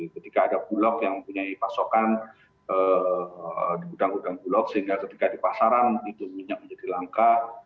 ketika ada bulog yang mempunyai pasokan di gudang gudang bulog sehingga ketika di pasaran itu minyak menjadi langka